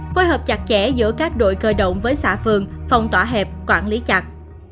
phối hợp chặt chẽ giữa các đội cơ động với xã phường phong tỏa hẹp quản lý chặt